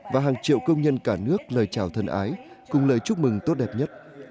và hàng triệu công nhân cả nước lời chào thân ái cùng lời chúc mừng tốt đẹp nhất